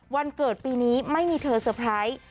วันเกิดปีนี้ไม่มีเธอเซอร์ไพรส์